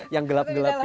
yang gelap gelap gitu